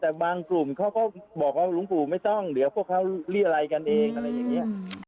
แต่บางกลุ่มเขาก็บอกว่าหลวงปู่ไม่ต้องเดี๋ยวพวกเขาเรียรัยกันเองอะไรอย่างนี้